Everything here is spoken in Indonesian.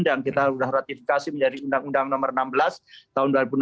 dan kita sudah ratifikasi menjadi undang undang nomor enam belas tahun dua ribu enam belas